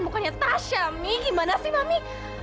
bukannya tasya mi gimana sih mami